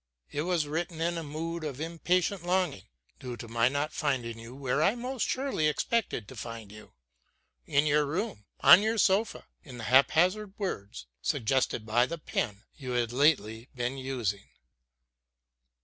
It was written in a mood of impatient longing, due to my not finding you where I most surely expected to find you in your room, on our sofa in the haphazard words suggested by the pen you had lately been using.